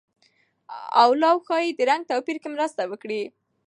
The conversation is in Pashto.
اولو ښايي د رنګ توپیر کې مرسته وکړي.